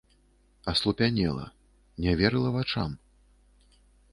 Аслупянела, не верыла вачам.